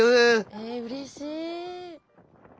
えうれしい。